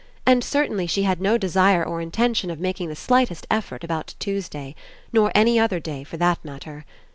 And certainly she had no desire or Intention of making the slightest effort about Tuesday. Nor any other day for that matter.